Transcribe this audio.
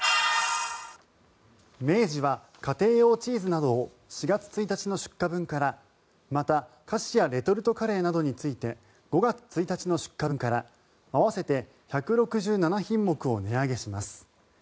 明治は家庭用チーズなどを４月１日の出荷分からまた菓子やレトルトカレーなどについて、５月１日の出荷分から合わせて１６７品目を値上げします。